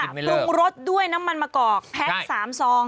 ปรุงรสด้วยน้ำมันมะกอกแพ็ค๓ซอง